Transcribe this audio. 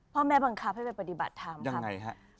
พ่อแม่บังคับให้ไปปฏิบัติธรรมครับ